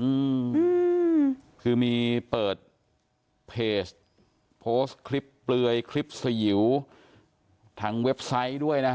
อืมคือมีเปิดเพจโพสต์คลิปเปลือยคลิปสยิวทางเว็บไซต์ด้วยนะฮะ